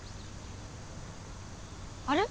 あれ？